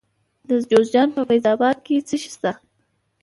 د جوزجان په فیض اباد کې څه شی شته؟